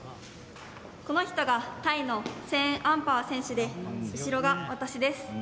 この人が、タイのセーンアンパー選手で後ろが私です。